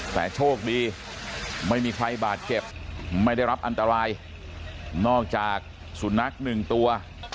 แต่โชคดีไม่มีใครบาดเจ็บไม่ได้รับอันตรายนอกจากสุนัขหนึ่งตัว